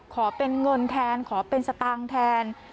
ขอเป็นเงินแทนขอเป็นสตางค์แทน